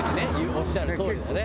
おっしゃるとおりだね。